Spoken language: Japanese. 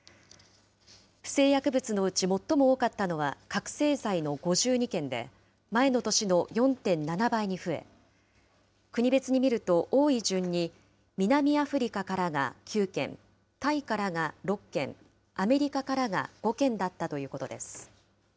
不正薬物のうち最も多かったのは覚醒剤の５２件で、前の年の４．７倍に増え、国別に見ると、多い順に、南アフリカからが９件、タイからが６件、アメリカからが５件だったということです。